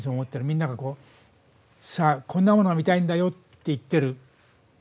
みんなが、さあ、こんなものが見たいんだよって言ってる。